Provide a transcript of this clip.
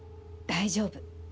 大丈夫。